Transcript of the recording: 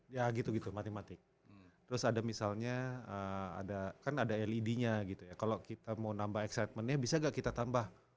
ya gitu gitu matematik terus ada misalnya ada kan ada led nya gitu ya kalau kita mau nambah excitementnya bisa gak kita tambah